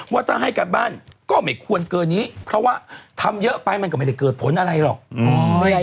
ว่าถ้าให้การบ้านก็ไม่ควรเกินนี้เพราะว่าทำเยอะไปมันก็ไม่ได้เกิดผลอะไรหรอก